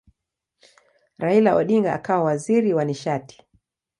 Raila Odinga akawa waziri wa nishati.